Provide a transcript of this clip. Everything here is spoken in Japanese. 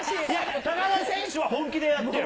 高田選手は本気でやってよ。